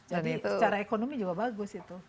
jadi secara ekonomi juga bagus itu